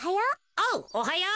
おうおはよう。